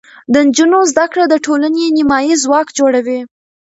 د نجونو زده کړه د ټولنې نیمایي ځواک جوړوي.